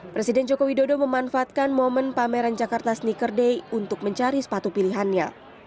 presiden joko widodo memanfaatkan momen pameran jakarta sneaker day untuk mencari sepatu pilihannya